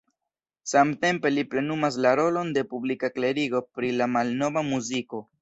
Samtempe li plenumas la rolon de publika klerigo pri la malnova muziko.